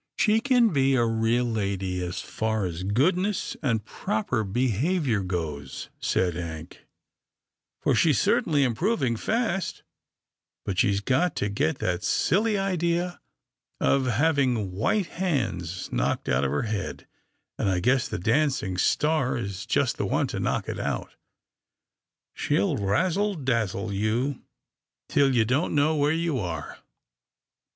"" She can be a real lady, as far as goodness and proper behaviour goes," said Hank, " for she's cer tainly improving fast, but she's got to get that silly idea of having white hands knocked out of her head, and I guess the dancing star is just the one to knock it out. She'll razzle dazzle you, till you don't know where you are."